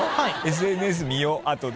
ＳＮＳ見よう後で。